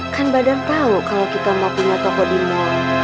kan badar tau kalo kita nggak punya toko di mall